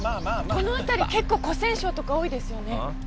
この辺り結構古銭商とか多いですよね。